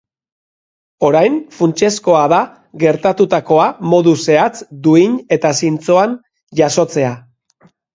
Orain funtsezkoa da gertatutakoa modu zehatz, duin eta zintzoan jasotzea.